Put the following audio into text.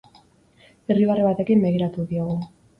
Irribarre batekin begiratu diogu.